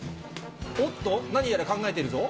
おっと、何やら考えてるぞ。